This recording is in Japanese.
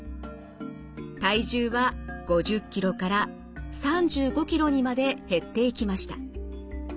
体重は５０ｋｇから３５ｋｇにまで減っていきました。